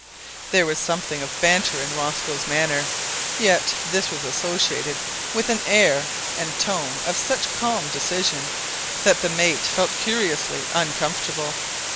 There was something of banter in Rosco's manner, yet this was associated with an air and tone of such calm decision that the mate felt curiously uncomfortable.